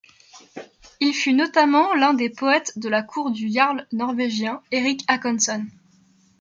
Il fut notamment l'un des poètes de la cour du jarl norvégien Éric Håkonsson.